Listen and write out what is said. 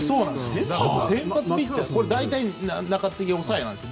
大体、中継ぎと抑えなんですよ。